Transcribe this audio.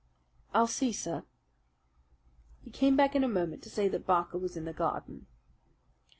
"I'll see, sir." He came back in a moment to say that Barker was in the garden.